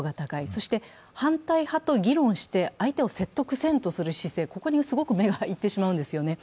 そして反対派と議論して、相手を説得ぜんとする姿勢、ここにすごく目がいってしまうんですよね。